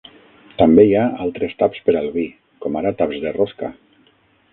També hi ha altres taps per al vi, com ara taps de rosca.